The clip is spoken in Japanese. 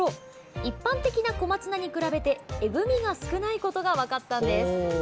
一般的な小松菜に比べてえぐみが少ないことが分かったんです。